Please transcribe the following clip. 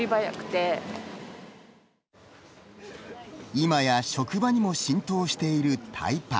今や職場にも浸透しているタイパ。